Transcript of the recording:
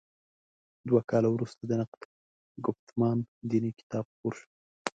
دوه کاله وروسته د «نقد ګفتمان دیني» کتاب خپور شو.